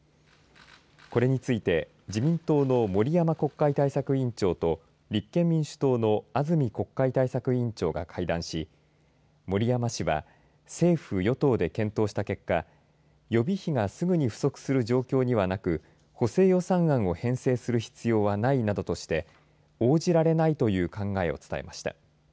これについて自民党の森山国会対策委員長と立憲民主党の安住国会対策委員長が会談し森山氏は政府与党で検討した結果予備費がすぐに不足する状況にはなく補正予算案を編成する必要はないなどとして応じられないという考えを伝えました。